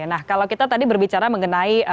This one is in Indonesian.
nah kalau kita tadi berbicara mengenai